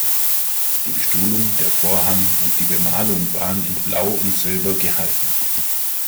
Die Bestuhlung, der Vorhang und die Bemalung waren in Blau und Silber gehalten.